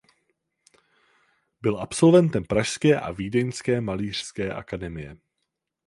Byl absolventem pražské a vídeňské malířské akademie.